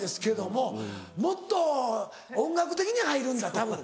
もっと音楽的に入るんだたぶん。